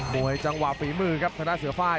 มวยจังหวะฝีมือครับทางหน้าเสื้อไฟ